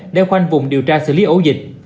để khoanh vùng điều tra xử lý ổ dịch